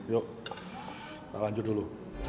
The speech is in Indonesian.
yuk kita lanjut dulu